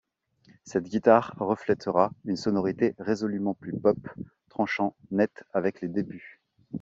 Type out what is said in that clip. Cette guitare reflétera une sonorité résolument plus pop, tranchant net avec les débuts.